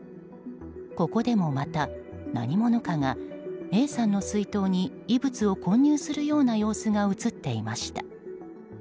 ここでもまた何者かが、Ａさんの水筒に異物を混入するような様子が映っていました。